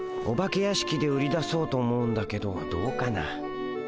お化け屋敷で売り出そうと思うんだけどどうかな？